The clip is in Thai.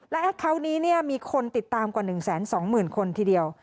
และแอบคราวนี้มีคนติดตามกว่า๑แสน๒หมื่นคนทีเดียว